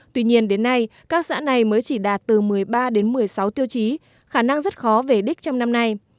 tuy nhiên đến nay các xã này mới chỉ đạt từ một mươi ba đến một mươi sáu tiêu chí khả năng rất khó về đích trong năm nay